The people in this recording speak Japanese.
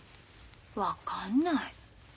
分かんない。